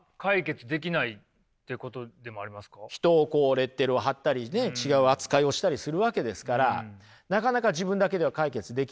人をこうレッテルを貼ったりね違う扱いをしたりするわけですからなかなか自分だけでは解決できないですよね。